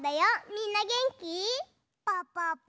みんなげんき？